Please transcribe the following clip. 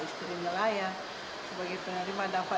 istri nelayan sebagai penerima dapat